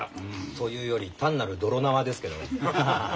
と言うより単なる泥縄ですけどね。